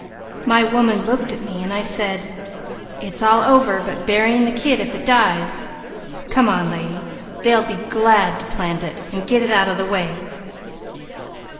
"The woman looked at me so I said: 'It's all over but burying the kid if it dies; come on, lady, they'd be glad to plant it, and get it out of the way.'